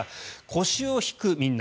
腰を引く、みんな。